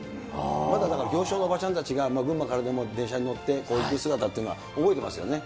まだだから行商のおばちゃんたちが、群馬からでも電車に乗って、こう行っている姿っていうのは覚えてますよね。